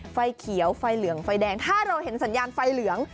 ไฟเขียวไฟเหลืองไฟแดงถ้าเราเห็นสัญญาณไฟเหลือง